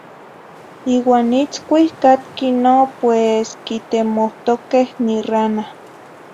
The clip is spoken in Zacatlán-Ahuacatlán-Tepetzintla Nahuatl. Iuah nitzcuih catquih no, pues, quitemohtoqueh nirana.